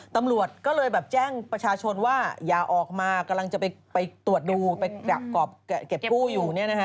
ตำรวจก็เลยแบบแจ้งประชาชนว่าอย่าออกมากำลังจะไปตรวจดูไปเก็บกู้อยู่